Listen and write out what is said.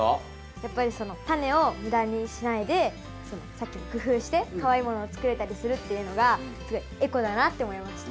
やっぱりそのタネをムダにしないでさっきの工夫してかわいいものを作れたりするっていうのがすごいエコだなって思いました。